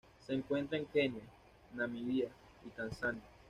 Se encuentra en Kenia, Namibia y Tanzania.